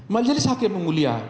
majelis hakim mengulia